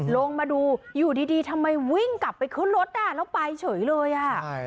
ลงมาดูอยู่ดีทำไมวิ่งกลับไปขึ้นรถอ่ะแล้วไปเฉยเลยอ่ะ